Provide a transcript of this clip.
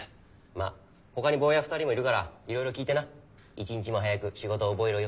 まっ他にボーヤ２人もいるから色々聞いてな一日も早く仕事覚えろよ。